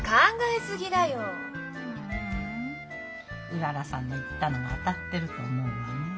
うららさんの言ったのが当たってると思うわね。